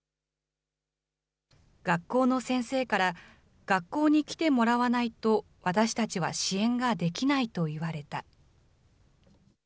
学校の先生から、学校に来てもらわないと、私たちは支援ができないと言われた。